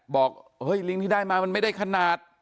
บอกลิงที่ได้มาไม่ได้ขนาด